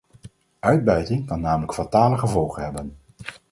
Uitbuiting kan namelijk fatale gevolgen hebben.